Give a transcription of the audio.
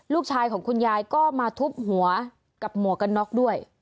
ลูกชายของคุณยายก็มาทุบหัวกับหมวกกันน็อกด้วย